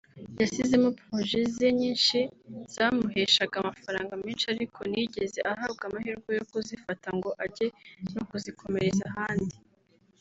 yasizemo projects ze nyinshi zamuheshaga amafaranga menshi ariko ntiyigeze ahabwa amahirwe yo kuzifata ngo ajye no kuzikomereza ahandi